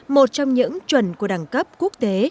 một trong những chuẩn của đẳng cấp quốc tế